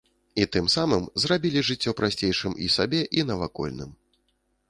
І тым самым зрабілі жыццё прасцейшым і сабе, і навакольным.